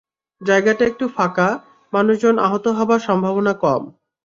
জায়গাটা একটু ফাঁকা, মানুষজন আহত হবার সম্ভাবনা কম।